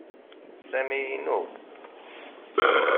Sami inu.